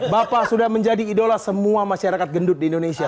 bapak sudah menjadi idola semua masyarakat gendut di indonesia